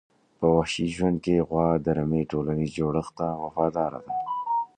په وحشي ژوند کې غوا د رمي ټولنیز جوړښت ته وفاداره ده.